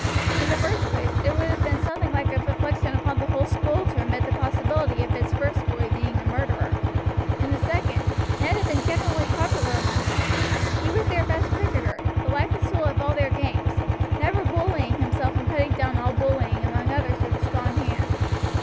In the first place, it would have been something like a reflection upon the whole school to admit the possibility of its first boy being a murderer; in the second, Ned had been generally popular among them, he was their best cricketer, the life and soul of all their games, never bullying himself and putting down all bullying among others with a strong hand.